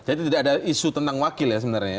jadi tidak ada isu tentang wakil ya sebenarnya